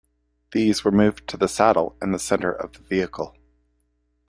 These were moved to the saddle in the centre of the vehicle.